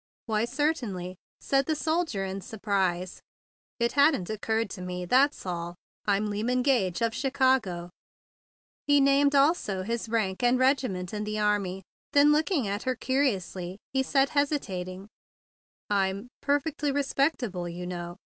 "Why, certainly!" said the soldier in surprise. "It hadn't occurred to me; that's all. I'm Lyman Gage, of Chi¬ cago." He named also his rank and regiment in the army. Then, looking at her curiously, he said, hesitating: "I'm—perfectly respectable, you know.